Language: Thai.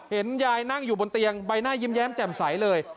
เห็นยายนั่งอยู่บนเตียงใบหน้ายิ้มแย้มแจ่มใสเลย